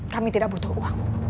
kami tidak butuh uang